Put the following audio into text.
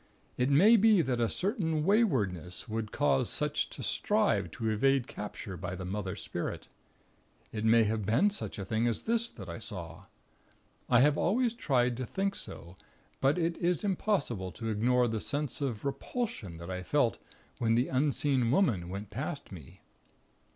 It may be that a certain waywardness would cause such to strive to evade capture by the Mother Spirit. It may have been such a thing as this, that I saw. I have always tried to think so; but it is impossible to ignore the sense of repulsion that I felt when the unseen Woman went past me.